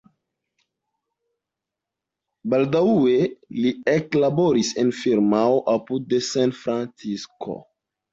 Baldaŭe li eklaboris en firmao apud San Francisco.